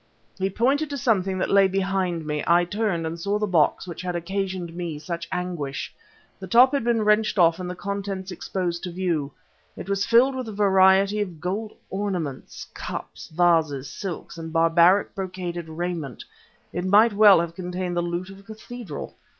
He pointed to something that lay behind me. I turned, and saw the box which had occasioned me such anguish. The top had been wrenched off and the contents exposed to view. It was filled with a variety of gold ornaments, cups, vases, silks, and barbaric brocaded raiment; it might well have contained the loot of a cathedral.